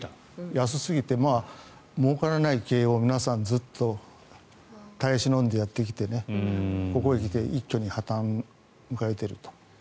安すぎてもうからない経営を皆さんずっと耐え忍んでやってきてここへ来て一挙に破たんを迎えていると。